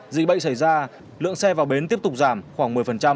dịch bệnh xảy ra lượng xe vào bến tiếp tục giảm khoảng một mươi